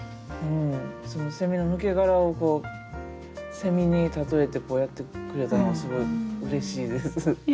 そのセミの抜け殻を蝉に例えてこうやってくれたのがすごいうれしいです。